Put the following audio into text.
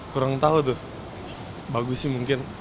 kurang tahu tuh bagus sih mungkin